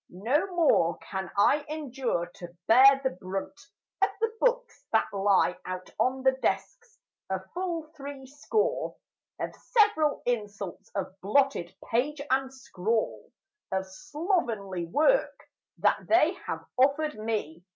No more can I endure to bear the brunt Of the books that lie out on the desks: a full three score Of several insults of blotted page and scrawl Of slovenly work that they have offered me.